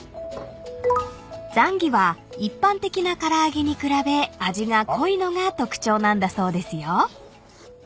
［ザンギは一般的な唐揚げに比べ味が濃いのが特徴なんだそうですよ］